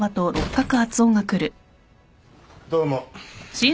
どうも。